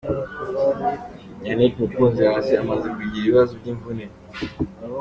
Yannick Mukunzi hasi amaze kugira ikibazo cy'imvune.